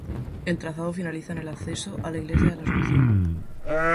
El trazado finaliza en el acceso a la Iglesia de la Asunción.